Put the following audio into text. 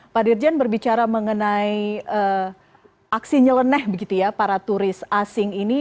pak dirjen berbicara mengenai aksi nyeleneh begitu ya para turis asing ini